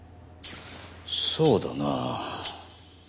そうだな。